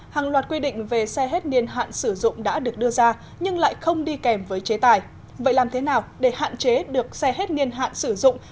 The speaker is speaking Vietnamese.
hàng loạt quy định về xe hết niên hạn sử dụng đã được đưa ra nhưng lại không đi kèm với chế tài